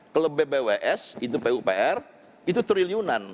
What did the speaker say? kalau bbws itu pupr itu triliunan